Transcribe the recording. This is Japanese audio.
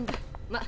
ま